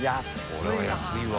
これは安いわ。